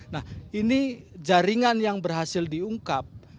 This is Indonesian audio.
nah ini jaringan yang berhasil diungkap